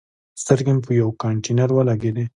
سترګې مې په یوه کانتینر ولګېدي.